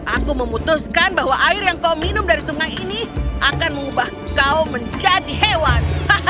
aku memutuskan bahwa air yang kau minum dari sungai ini akan mengubah kau menjadi hewan